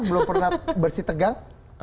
belum pernah bersih tegang